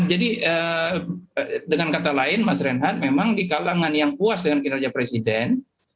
jadi dengan kata lain mas renhad memang di kalangan yang puas dengan kinerja presiden